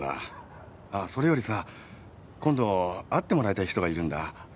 それよりさ今度会ってもらいたい人がいるんだ。